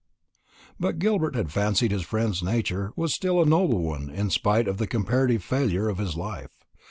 But Gilbert had fancied his friend's nature was still a noble one in spite of the comparative failure of his life.